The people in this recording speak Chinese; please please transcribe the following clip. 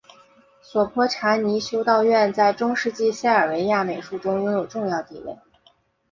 索泼查尼修道院在中世纪塞尔维亚美术中拥有重要地位。